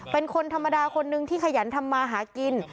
เป็นคนธรรมดาคนนึงที่ขยันทำมาหากิน